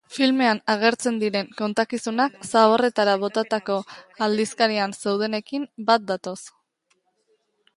Filmean agertzen diren kontakizunak zaborretara botatako aldizkarian zeudenekin bat datoz.